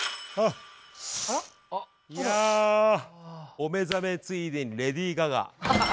お目覚めついでにレディー・ガガ。